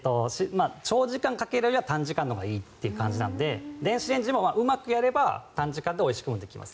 長時間かけるよりは短時間のほうがいいので電子レンジもうまくやれば短時間でおいしくもできます。